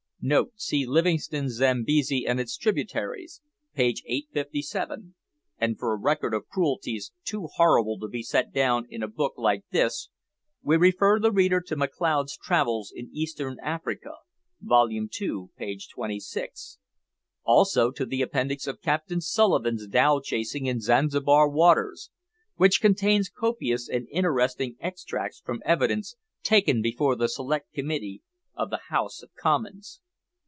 [See Livingstone's Zambesi and its Tributaries, page 857; and for a record of cruelties too horrible to be set down in a book like this, we refer the reader to McLeod's Travels in Eastern Africa, volume two page 26. Also to the Appendix of Captain Sulivan's Dhow Chasing in Zanzibar Waters, which contains copious and interesting extracts from evidence taken before the Select Committee of the House of Commons.